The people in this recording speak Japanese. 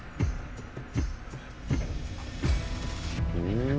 うん！